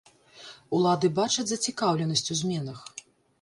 Улады бачаць зацікаўленасць у зменах.